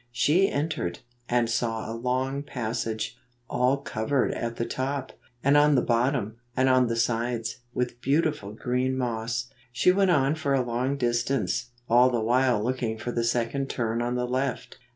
She entered, and saw a long passage, all covered at the top, and on the bottom, and on the sides, with beautiful green moss. She went on for a long distance, all the while looking for the second turn on the left.